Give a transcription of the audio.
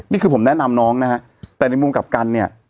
นี่คือผมแนะนำน้องนะฮะแต่ในมุมกลับกันเนี่ย